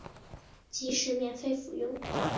即使免费服务